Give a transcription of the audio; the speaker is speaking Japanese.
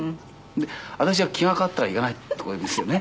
で「私は気が変わったら行かない」とか言うんですよね。